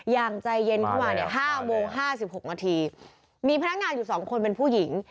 อย่างใจเย็นขึ้นมาเนี่ยห้าโมงห้าสิบหกนาทีมีพนักงานอยู่สองคนเป็นผู้หญิง